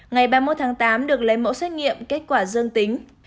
ngày ba mươi một tháng tám được lấy mẫu xét nghiệm kết quả dương tính